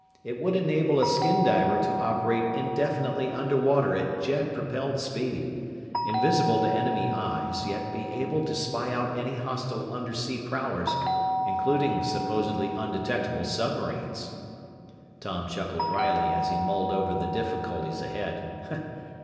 It would enable a skin diver to operate indefinitely under water at jet propelled speed invisible to enemy "eyes," yet be able to spy out any hostile undersea prowlers, including supposedly "undetectable" submarines! Tom chuckled wryly as he mulled over the difficulties ahead.